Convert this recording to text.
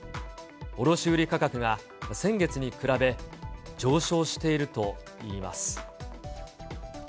卸売り価格が先月に比べ、上昇しているといいます。